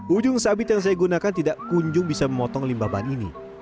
ujung sabit yang saya gunakan tidak kunjung bisa memotong limbah ban ini